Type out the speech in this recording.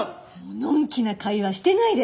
のんきな会話してないで。